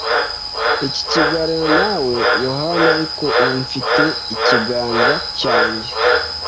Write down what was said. iki kiganiro nawe, Yohana; ariko ubu mfite ikiganza cyanjye. ”